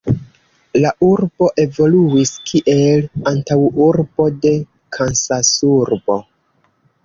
La urbo evoluis kiel antaŭurbo de Kansasurbo.